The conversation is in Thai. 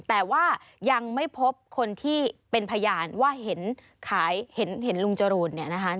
แต่ว่ายังไม่พบคนที่เป็นพยานว่าเห็นขายเห็นลุงจรูนเนี่ยนะคะ